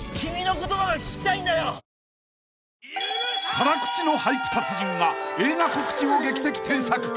［辛口の俳句達人が映画告知を劇的添削］